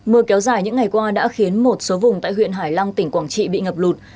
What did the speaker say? mưa kéo dài những ngày qua đã khiến một số vùng tại huyện hải lăng tỉnh quảng trị bị ngập lụt